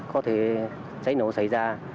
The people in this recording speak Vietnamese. có thể cháy nổ xảy ra